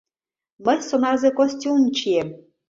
Мый сонарзе костюмым чием.